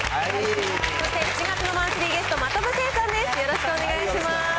そして、７月のマンスリーゲスト、真飛聖さんです。